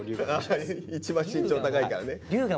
一番身長高いからね。